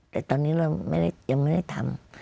แต่ตอนนี้เรายังไม่ได้ทำ